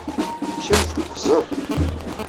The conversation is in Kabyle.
Kemm tqefzeḍ.